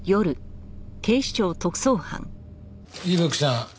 伊吹さん